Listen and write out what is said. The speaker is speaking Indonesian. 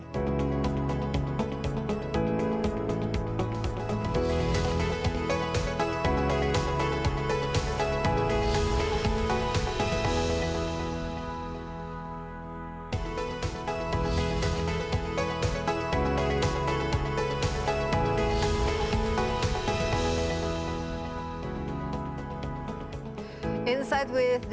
insight with desi anwar topik kita kali ini berkaitan dengan perayaan international women's day